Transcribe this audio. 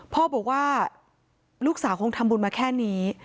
พ่อบอกว่าลูกสาวคงทำบุญมาแค่นี้